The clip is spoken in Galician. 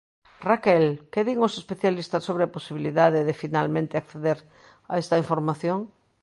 Raquel, que din os especialistas sobre a posibilidade de finalmente acceder a esta información?